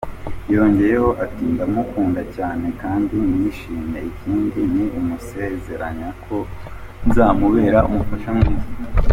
Yongeyeho ati "Ndamukunda cyane kandi nishimye, ikindi ni ukumusezeranya ko nzamubera umufasha mwiza.